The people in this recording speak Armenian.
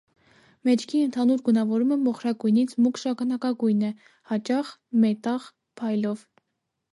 Մեջքի ընդհանուր գունավորումը մոխրագույնից մուգ շագանակագույն է, հաճախ՝ մետաղ, փայլով։